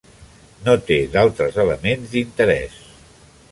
No té d'altres elements d'interès.